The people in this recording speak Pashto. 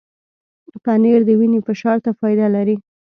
پنېر د وینې فشار ته فایده لري.